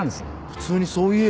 普通にそう言えよ。